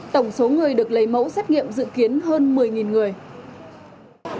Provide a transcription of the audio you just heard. tổng số người được lấy mẫu xét nghiệm dự kiến hơn một mươi người